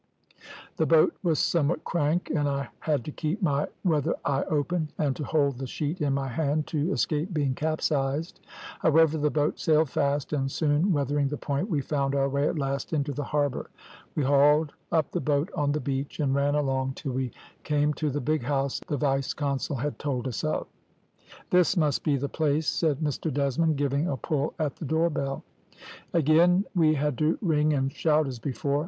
"The boat was somewhat crank, and I had to keep my weather eye open, and to hold the sheet in my hand to escape being capsized. However, the boat sailed fast, and soon weathering the point we found our way at last into the harbour. We hauled up the boat on the beach, and ran along till we came to the big house the vice consul had told us of. "`This must be the place,' said Mr Desmond, giving a pull at the door bell. "Again we had to ring and shout as before.